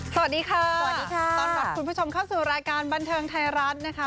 สวัสดีค่ะสวัสดีค่ะต้อนรับคุณผู้ชมเข้าสู่รายการบันเทิงไทยรัฐนะคะ